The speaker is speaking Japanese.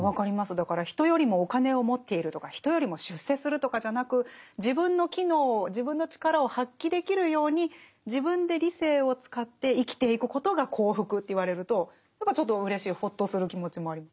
だから人よりもお金を持っているとか人よりも出世するとかじゃなく自分の機能自分の力を発揮できるように自分で理性を使って生きていくことが幸福と言われるとちょっとうれしいほっとする気持ちもあります。